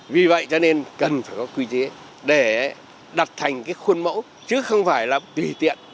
vì vậy cho nên cần phải có quy chế để đặt thành cái khuôn mẫu chứ không phải là tùy tiện